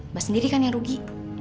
mbak sendiri kan yang rugi